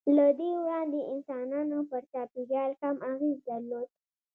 له دې وړاندې انسانانو پر چاپېریال کم اغېز درلود.